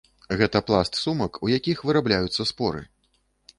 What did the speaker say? Гэта пласт сумак, у якіх вырабляюцца споры.